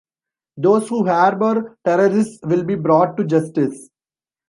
Those who harbor terrorists will be brought to justice.